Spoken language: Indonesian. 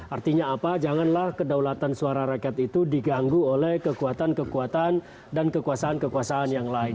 artinya apa janganlah kedaulatan suara rakyat itu diganggu oleh kekuatan kekuatan dan kekuasaan kekuasaan yang lain